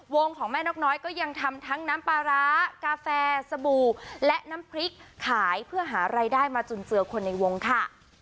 ของแม่นกน้อยก็ยังทำทั้งน้ำปลาร้ากาแฟสบู่และน้ำพริกขายเพื่อหารายได้มาจุนเจือคนในวงค่ะ